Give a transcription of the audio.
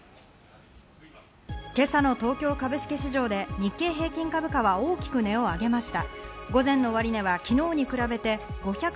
今朝の東京株式市場で日経平均株価は大きく値を上げました。